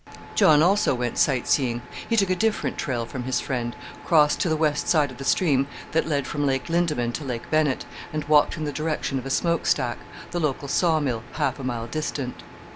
John also went sight seeing. He took a different trail from his friend, crossed to the west side of the stream that led from Lake Lindeman to Lake Bennett, and walked in the direction of a smoke stack, the local saw mill, half a mile distant.